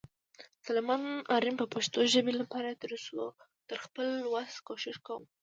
سلیمان آرین به د پښتو ژبې لپاره تر خپل وس کوشش کوم.